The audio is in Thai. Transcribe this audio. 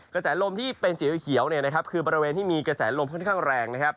กระแสลมที่เป็นสีเขียวเนี่ยนะครับคือบริเวณที่มีกระแสลมค่อนข้างแรงนะครับ